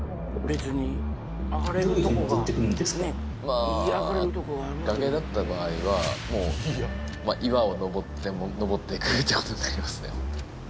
あとは崖だった場合はもう岩を登って登っていくっていうことになりますね